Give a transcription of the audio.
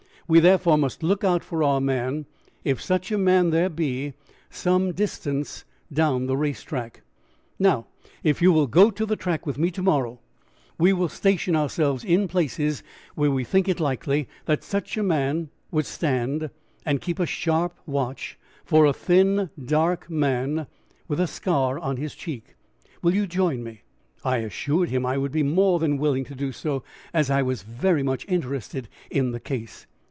We, therefore, must look out for our man, if such a man there be, some distance down the race track. "Now, if you will go to the track with me to morrow we will station ourselves in places where we think it likely that such a person would stand, and keep a sharp watch for a thin, dark man with a scar on his cheek. Will you join me?" I assured him I would be more than willing to do so, as I was very much interested in the case.